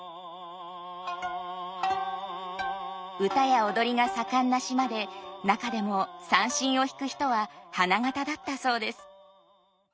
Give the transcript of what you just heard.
唄や踊りが盛んな島で中でも三線を弾く人は花形だったそうです。